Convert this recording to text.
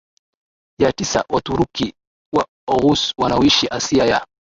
ya tisa Waturuki wa Oghuz wanaoishi Asia ya